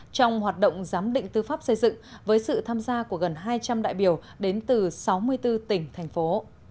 trong hoạt động giám định tư pháp xây dựng với sự tham gia của gần hai trăm linh đại biểu đến từ sáu mươi bốn tỉnh thành phố